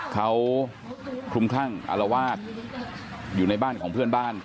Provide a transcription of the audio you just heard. เขาคลุมคลั่งอารวาสอยู่ในบ้านของเพื่อนบ้าน